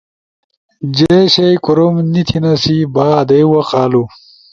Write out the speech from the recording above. جے شیئی کوروم نی تھیناسی۔ با آدئی وخ آلو